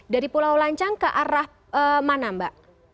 dari pulau lancang ke arah mana mbak